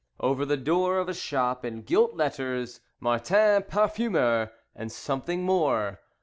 Over the door of a shop, in gilt letters: "Martin Parfumeur", and something more.